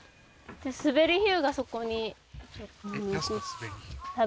スベリヒユがそこに。